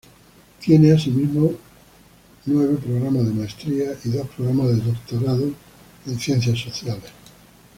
Tiene, asimismo, nueve programas de Maestría y dos Programas de Doctorado en Ciencias Sociales.